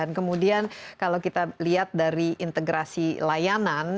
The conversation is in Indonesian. dan kemudian kalau kita lihat dari integrasi layanan